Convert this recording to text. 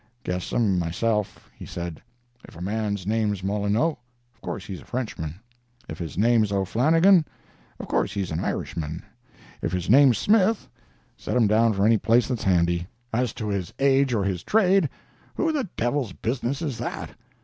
'Guess 'em, myself,' he said. 'If a man's name's Molineux, of course he's a Frenchman; if his name's O'Flannigan, of course he's an Irishman; if his name's Smith, set him down for any place that's handy; as to his age or his trade, who the devil's business is that?